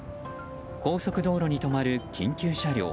高速道路に止まる緊急車両。